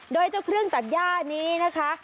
โดยเจ้าเครื่องตัดย่านี้นะคะ